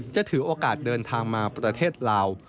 ถือโอกาสเดินทางมาประเทศลาว